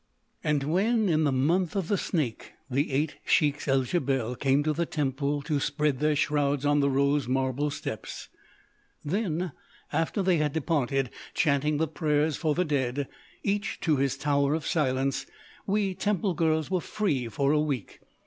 And when, in the month of the Snake, the Eight Sheiks el Djebel came to the temple to spread their shrouds on the rose marble steps, then, after they had departed, chanting the Prayers for the Dead, each to his Tower of Silence, we temple girls were free for a week....